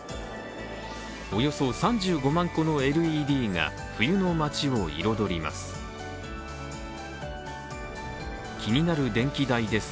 およそ３５万個のＬＥＤが冬の街を彩ります。